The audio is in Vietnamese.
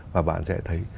và bạn sẽ thấy